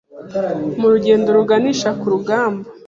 Mu rugendo ruganisha ku rugamba